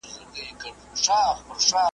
چي په زرهاوو کسان یې تماشې ته وروتلي ول .